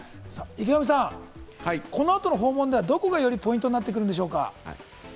池上さん、この後の訪問では、よりどこがポイントになってくるんでしょうか？